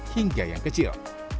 hingga yang kecil